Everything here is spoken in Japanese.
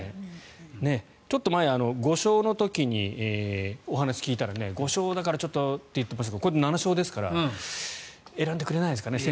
ちょっと前５勝の時にお話を聞いたら５勝だからちょっとって言ってましたけど７勝ですから選んでくれないですかね。